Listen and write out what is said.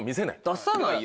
出さないよね。